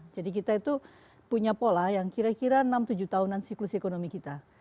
jadi kita itu punya pola yang kira kira enam tujuh tahunan siklus ekonomi kita